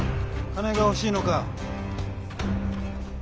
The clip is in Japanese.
金が欲しいのか。